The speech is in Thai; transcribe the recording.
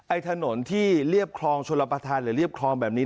ถนนที่เรียบคลองชลประธานหรือเรียบคลองแบบนี้